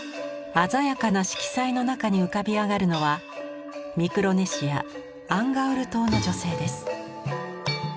鮮やかな色彩の中に浮かび上がるのはミクロネシアアンガウル島の女性です。